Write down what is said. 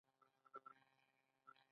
د افغانستان کلتور د یونان او هند ګډ و